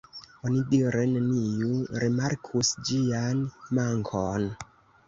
Onidire neniu rimarkus ĝian mankon.